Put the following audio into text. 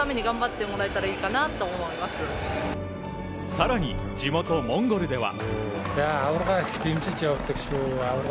更に地元モンゴルでは。